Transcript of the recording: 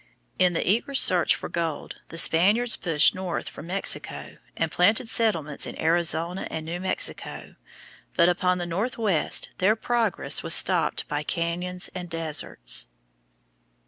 In the eager search for gold the Spaniards pushed north from Mexico and planted settlements in Arizona and New Mexico, but upon the northwest their progress was stopped by cañons and deserts.